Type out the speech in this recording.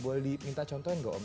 boleh diminta contohnya enggak om